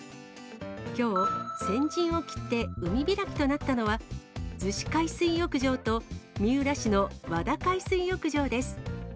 きょう、先陣を切って海開きとなったのは、逗子海水浴場と、三浦市の和田海水浴場です。